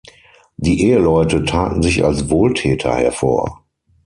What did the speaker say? Die Eheleute taten sich als Wohltäter hervor.